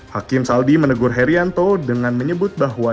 hakim saldi menegur herianto dengan menyebut bahwa